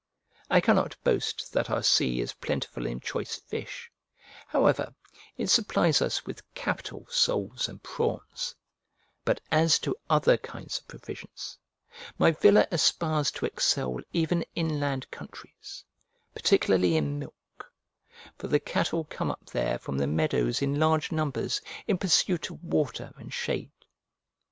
I cannot boast that our sea is plentiful in choice fish; however, it supplies us with capital soles and prawns; but as to other kinds of provisions, my villa aspires to excel even inland countries, particularly in milk: for the cattle come up there from the meadows in large numbers, in pursuit of water and shade.